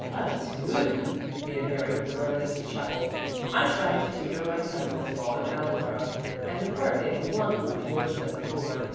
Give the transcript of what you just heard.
"Tutor!" repeated Mary with a reminiscent chuckle. "I tried to tutor my cousin this fall in algebra, and the poor thing flunked much worse than before.